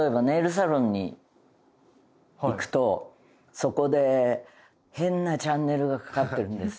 そこで変なチャンネルがかかってるんですよ